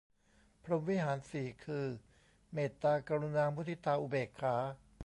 พรหมวิหารสี่ คือ เมตตา กรุณา มุทิตา อุเบกขา